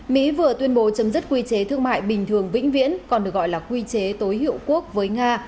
mỹ vừa tuyên bố chấm dứt quy chế thương mại bình thường vĩnh viễn còn được gọi là quy chế tối hiệu quốc với nga